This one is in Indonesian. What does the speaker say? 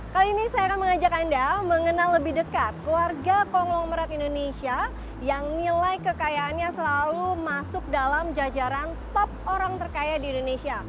kali ini saya akan mengajak anda mengenal lebih dekat keluarga konglomerat indonesia yang nilai kekayaannya selalu masuk dalam jajaran top orang terkaya di indonesia